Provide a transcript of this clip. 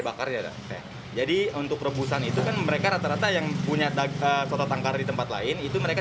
bakarnya jadi untuk rebusan itu kan mereka rata rata yang punya soto tangkar di tempat lain itu mereka